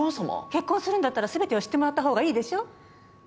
結婚するんだったら全てを知ってもらったほうがいいでしょ？